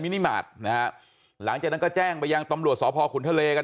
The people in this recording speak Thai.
นิมาตรนะฮะหลังจากนั้นก็แจ้งไปยังตำรวจสพขุนทะเลกัน